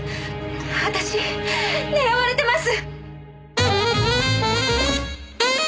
私狙われてます！